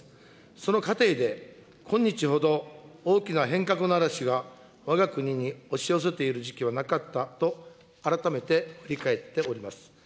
その過程で、今日ほど大きな変革の嵐がわが国に押し寄せている時期はなかったと、改めて振り返っております。